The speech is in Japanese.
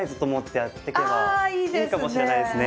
いいかもしれないですね。